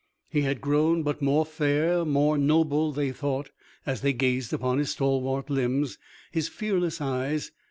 He had grown but more fair, more noble, they thought, as they gazed upon his stalwart limbs, his fearless eyes.